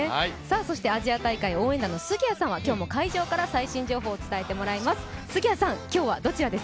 アジア大会応援団の杉谷さんは、今日も会場から最新情報をお伝えしてもらいます。